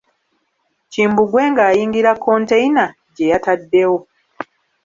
Kimbugwe ng'ayingira konteyina gye yataddewo .